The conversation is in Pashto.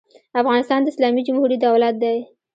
افغانستان د اسلامي جمهوري دولت دی.